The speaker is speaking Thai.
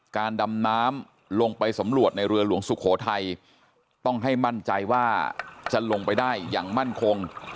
การดำน้ำลงไปสำรวจในเรือหลวงสุโขทัยต้องให้มั่นใจว่าจะลงไปได้อย่างมั่นคง